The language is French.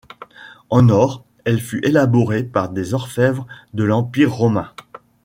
En or, elle fut élaboré par des orfèvres de l'Empire romain.